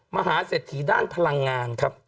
มหาเสถียด้านพลังงานครับ